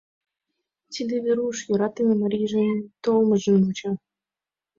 Тиде — Веруш, йӧратыме марийжын толмыжым вуча.